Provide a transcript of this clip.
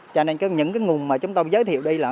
cho nên những cái nguồn mà chúng tôi giới thiệu đây là